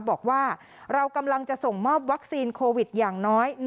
บอกว่าเรากำลังจะส่งมอบวัคซีนโควิดอย่างน้อย